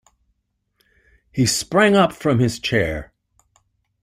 He sprang up from his chair.